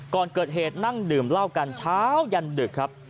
ก่อนเกิดเหตุนั่งดื่มเหล้ากันเช้ายันดึกครับ